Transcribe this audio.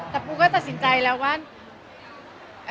แต่ปูก็ตัดสินใจแล้วว่า